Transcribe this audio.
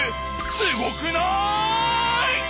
すごくない！？